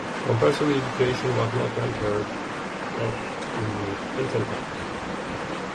Compulsory education was not unheard of in ancient times.